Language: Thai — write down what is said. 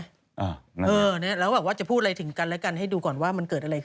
อ่านั่นแหละแล้วแบบว่าจะพูดอะไรถึงกันแล้วกันให้ดูก่อนว่ามันเกิดอะไร